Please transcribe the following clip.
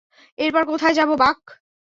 এরপর কোথায় যাব, বাক?